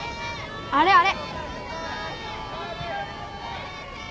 あれあれ。